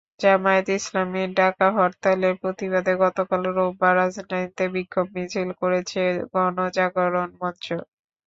জামায়াতে ইসলামীর ডাকা হরতালের প্রতিবাদে গতকাল রোববার রাজধানীতে বিক্ষোভ মিছিল করেছে গণজাগরণ মঞ্চ।